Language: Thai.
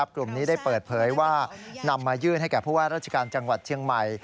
กลุ่มนี้ได้เปิดเผยว่านำมายื่นให้แก่ผู้ว่าราชการจังหวัดเชียงใหม่